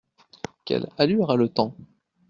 Quelle allure a le temps ?